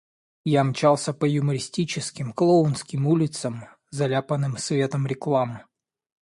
Я мчался по юмористическим, клоунским улицам, заляпанным светом реклам.